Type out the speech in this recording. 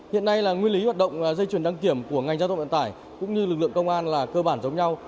hiện nay là nguyên lý hoạt động dây chuyển đăng kiểm của ngành giao thông vận tải cũng như lực lượng công an là cơ bản giống nhau